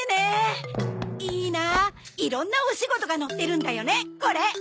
いいなあいろんなお仕事が載ってるんだよねこれ！